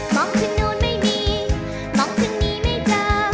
มองถึงโน่นไม่มีมองถึงหนีไม่เจอ